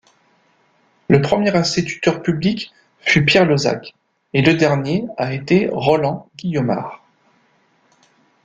Le premier instituteur public fut Pierre Lozach et le dernier a été Roland Guyomard.